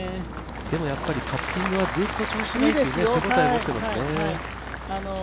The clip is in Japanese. でもやっぱりパッティングはずっと調子よくて、手応え持っていますね。